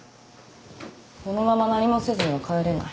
このまま何もせずには帰れない。